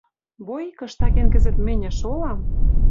Бой, кыштакен кӹзӹт мӹньӹ, шолам